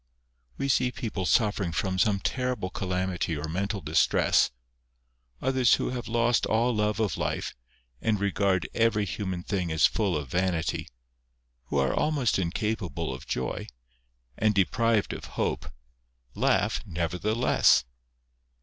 We see people suffering from some terrible calamity or mental distress, others who have lost all love of life, and regard every human thing as full of vanity, who are almost incapable of joy, and deprived of hope, laugh nevertheless.